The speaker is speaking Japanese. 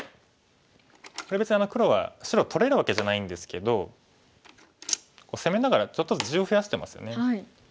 これ別に黒は白取れるわけじゃないんですけど攻めながらちょっとずつ地を増やしてますよね。